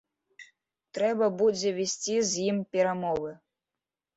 Трэба будзе весці з ім перамовы.